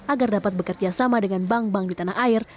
agar dapat bekerjasama dengan bank bank di tanah air